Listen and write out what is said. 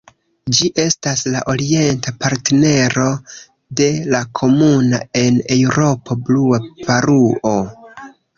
Ĝi estas la orienta partnero de la komuna en Eŭropo Blua paruo.